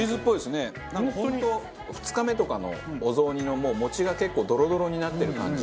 なんか本当２日目とかのお雑煮のもう餅が結構ドロドロになってる感じ。